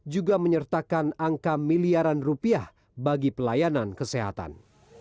juga menyertakan angka miliaran rupiah bagi pelayanan kesehatan